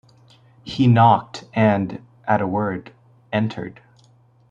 He knocked and, at a word, entered.